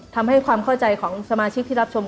ทำให้ความเข้าใจของสมาชิกที่รับชม